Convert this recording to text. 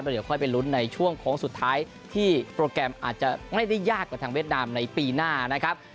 เดี๋ยวค่อยไปลุ้นในช่วงโค้งสุดท้ายที่โปรแกรมอาจจะไม่ได้ยากกว่าทางเวียดนามในปีหน้านะครับ